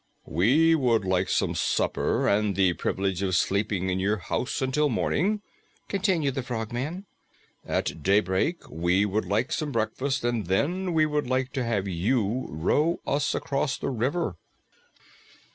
"We would like some supper and the privilege of sleeping in your house until morning," continued the Frogman. "At daybreak, we would like some breakfast, and then we would like to have you row us across the river."